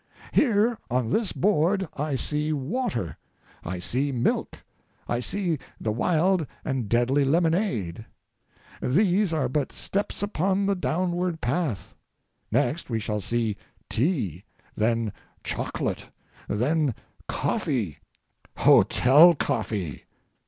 Here on this board I see water, I see milk, I see the wild and deadly lemonade. These are but steps upon the downward path. Next we shall see tea, then chocolate, then coffee—hotel coffee.